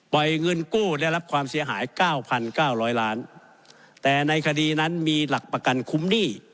เงินกู้ได้รับความเสียหายเก้าพันเก้าร้อยล้านแต่ในคดีนั้นมีหลักประกันคุ้มหนี้